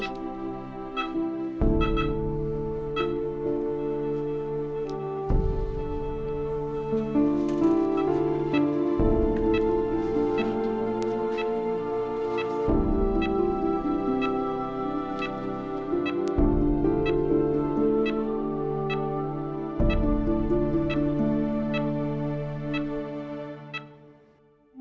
aku mau pergi